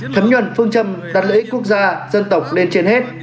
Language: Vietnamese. thấm nhuận phương châm đặt lợi ích quốc gia dân tộc lên trên hết